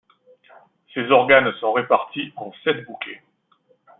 Ces organes sont répartis en sept bouquets.